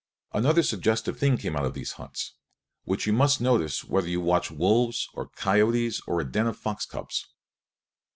Another suggestive thing came out in these hunts, which you must notice whether you watch wolves or coyotes or a den of fox cubs.